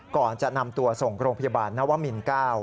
ก่อนจะนำตัวส่งโรงพยาบาลนวมิน๙